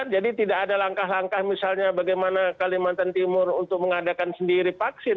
jadi tidak ada langkah langkah misalnya bagaimana kalimantan timur untuk mengadakan sendiri vaksin